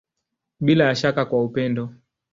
Bila ya shaka kwa upendo.